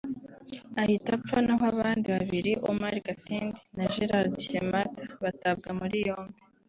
ahita apfa naho abandi babiri Umar Katende na Gerald Semata batabwa muri yombi